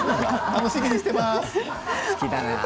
楽しみにしています。